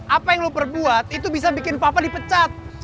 apa yang lo perbuat itu bisa bikin papa dipecat